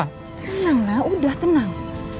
tenang lah udah tenang